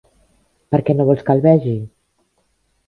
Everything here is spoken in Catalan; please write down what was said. Per què no vols que el vegi?